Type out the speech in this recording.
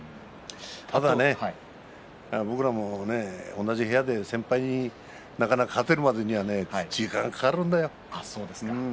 ただね僕らも同じ部屋で先輩に勝てるまでには時間がかかるんだよ。